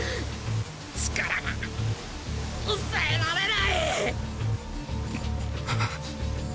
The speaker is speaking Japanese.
力が抑えられない！